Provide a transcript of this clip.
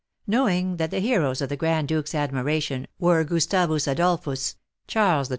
Knowing that the heroes of the Grand Duke's admiration were Gustavus Adolphus, Charles XII.